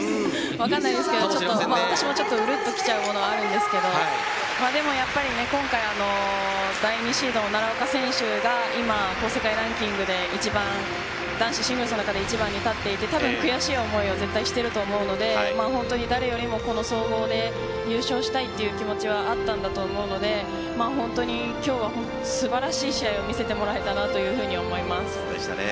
分からないですけど私もちょっとうるっときちゃうものがあるんですけどでも今回第２シードの奈良岡選手が世界ランキングで男子シングルスの中で一番に立っていて多分、悔しい思いを絶対していると思うので誰よりも総合で優勝したいという気持ちはあったと思うので本当に素晴らしい試合を見せてもらえたなと思います。